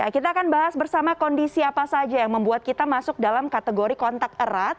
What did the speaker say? kita akan bahas bersama kondisi apa saja yang membuat kita masuk dalam kategori kontak erat